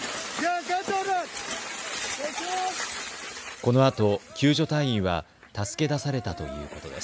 このあと救助隊員は助け出されたということです。